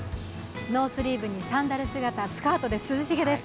ノースリーブにサンダル姿スカートで涼しげです。